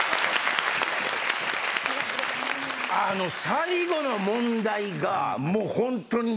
最後の問題がもうホントに。